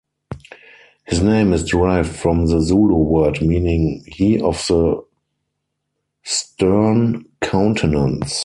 His name is derived from the Zulu word meaning "he of the stern countenance".